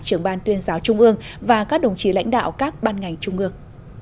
trưởng ban tuyên giáo trung ương và các đồng chí lãnh đạo các ban ngành trung ương